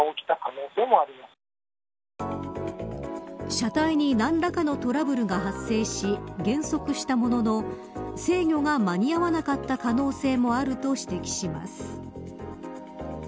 車体に何らかのトラブルが発生し減速したものの制御が間に合わなかった可能性もあると指摘します